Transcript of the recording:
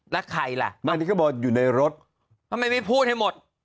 แล้วใครล่ะบางทีก็บอกอยู่ในรถทำไมไม่พูดให้หมด